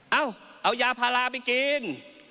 เอาเอายาพาราไปกิน